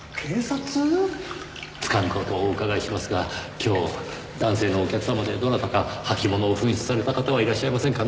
つかぬ事をお伺いしますが今日男性のお客様でどなたか履き物を紛失された方はいらっしゃいませんかね？